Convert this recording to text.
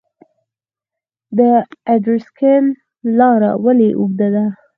ادرسکن لاره ولې اوږده ده؟